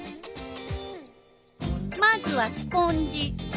まずはスポンジ。